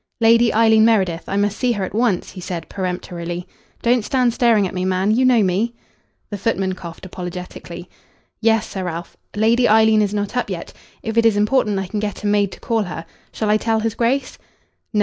"Lady Eileen Meredith. I must see her at once," he said peremptorily. "Don't stand staring at me, man. You know me." The footman coughed apologetically. "Yes, Sir Ralph. Lady Eileen is not up yet. If it is important I can get a maid to call her. Shall I tell his Grace?" "No.